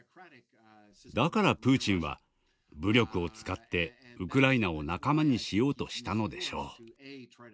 だからプーチンは武力を使ってウクライナを仲間にしようとしたのでしょう。